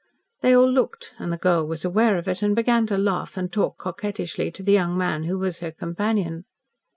They all looked, and the girl was aware of it, and began to laugh and talk coquettishly to the young man who was her companion.